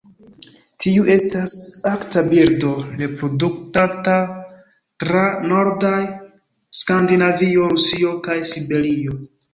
Tiu estas arkta birdo, reproduktanta tra nordaj Skandinavio, Rusio kaj Siberio.